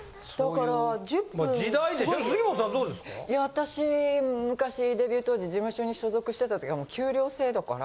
私昔デビュー当時事務所に所属してた時は給料制だから。